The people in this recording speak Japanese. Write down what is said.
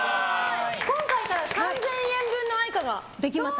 今回から３０００円分のＡｉｃａができました。